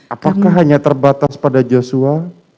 apakah hanya terbatas pada joshua